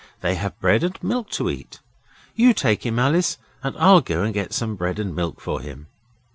They have bread and milk to eat. You take him, Alice, and I'll go and get some bread and milk for him.